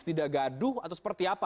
tidak gaduh atau seperti apa